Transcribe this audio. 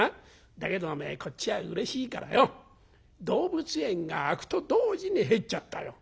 だけどおめえこっちはうれしいからよ動物園が開くと同時に入っちゃったよ。